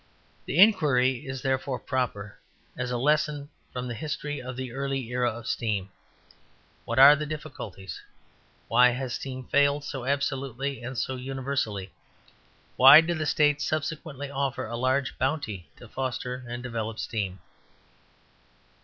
The inquiry is therefore proper, as a lesson from the history of the early era of steam, what are the difficulties? Why has steam failed so absolutely and so universally? Why did the State subsequently offer a large bounty to foster and develop steam.